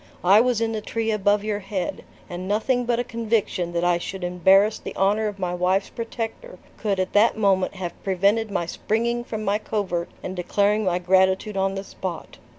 I was in the tree above your head, and nothing but a conviction that I should embarrass the honor of my wife's protector could at that moment have prevented my springing from my covert and declaring my gratitude on the spot.